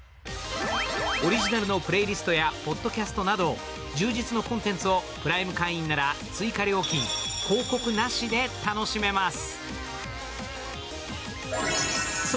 オリジナルのプレイリストやポッドキャストなど充実のコンテンツをプライム会員なら追加料金・広告なしで楽しめます。